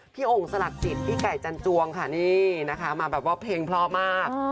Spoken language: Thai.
โอ่งสลักจิตพี่ไก่จันจวงค่ะนี่นะคะมาแบบว่าเพลงเพราะมาก